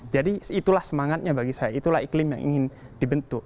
jadi itulah semangatnya bagi saya itulah iklim yang ingin dibentuk